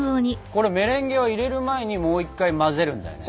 メレンゲは入れる前にもう一回混ぜるんだよね？